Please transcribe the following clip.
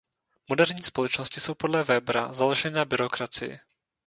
Moderní společnosti jsou podle Webera založeny na byrokracii.